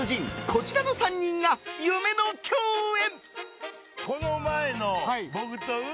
こちらの３人が夢の共演。